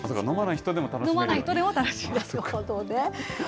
飲まない人でも楽しめるということで。